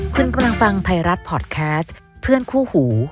คุณกำลังฟังไทยรัฐพอร์ตแคสต์เพื่อนคู่หู